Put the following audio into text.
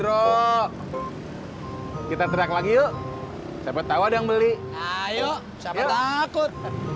bro kita teriak lagi yuk siapa tau ada yang beli ayo siapa takut